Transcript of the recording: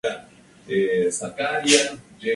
El último lugar eran relegado al descenso.